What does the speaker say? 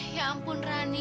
ya ampun rani